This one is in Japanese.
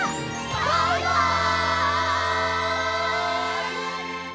バイバイ！